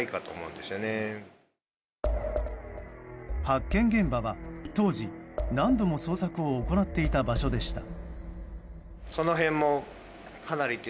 発見現場は、当時何度も捜索を行っていた場所でした。